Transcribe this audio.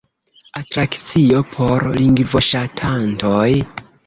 Atrakcio por lingvoŝatantoj?